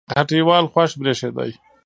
هټۍوال خوښ برېښېده